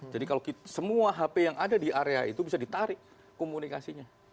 jadi kalau semua hp yang ada di area itu bisa ditarik komunikasinya